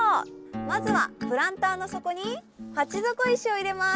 まずはプランターの底に鉢底石を入れます。